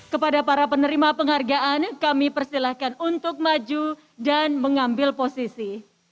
kepada para penerima penghargaan kami persilahkan untuk maju dan mengambil posisi